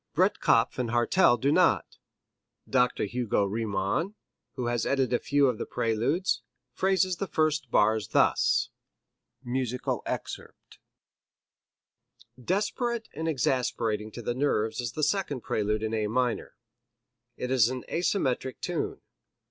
Breitkopf & Hartel do not. Dr. Hugo Riemann, who has edited a few of the Preludes, phrases the first bars thus: Desperate and exasperating to the nerves is the second prelude in A minor. It is an asymmetric tune.